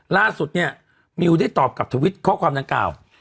ล่าสุดเนี่ยมิวได้ตอบกับทวิตข้อความดังกล่าว